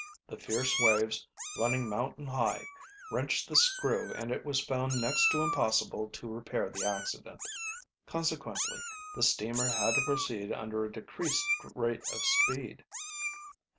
The fierce waves, running mountain high, wrenched the screw and it was found next to impossible to repair the accident. Consequently the steamer had to proceed under a decreased rate of speed.